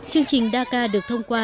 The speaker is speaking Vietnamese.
chương trình daca được thông qua